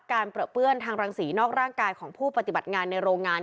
เปลือเปื้อนทางรังศรีนอกร่างกายของผู้ปฏิบัติงานในโรงงาน